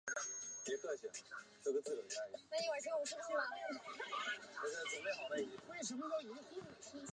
回国后任邮传部员外郎。